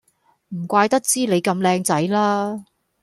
唔怪得知你咁靚仔啦